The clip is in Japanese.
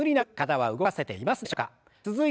はい。